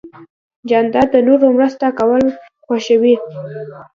جانداد د نورو مرسته کول خوښوي.